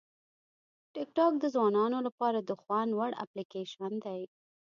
ټیکټاک د ځوانانو لپاره د خوند وړ اپلیکیشن دی.